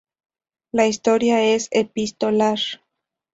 La historia es epistolar.